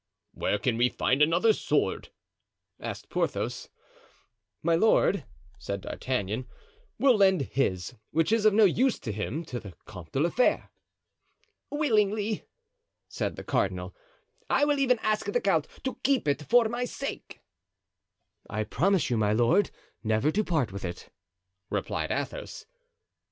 "Where can we find another sword?" asked Porthos. "My lord," said D'Artagnan, "will lend his, which is of no use to him, to the Comte de la Fere." "Willingly," said the cardinal; "I will even ask the count to keep it for my sake." "I promise you, my lord, never to part with it," replied Athos.